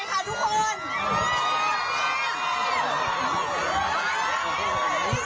ขอเสียงหน่อยค่ะทุกคน